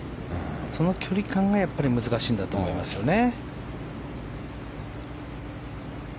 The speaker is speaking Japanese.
その距離感がやっぱり難しいんだと思いますよね。